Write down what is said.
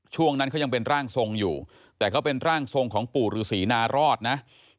ช่วงนั้นเขายังเป็นร่างทรงอยู่แต่เขาเป็นร่างทรงของปู่ฤษีนารอดนะ